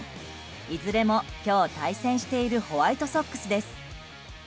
いずれも、今日対戦しているホワイトソックスです。